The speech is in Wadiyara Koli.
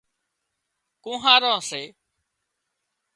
ڪونهاران سي